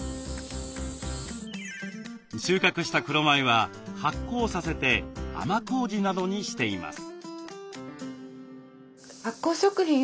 収穫した黒米は発酵させて甘こうじなどにしています。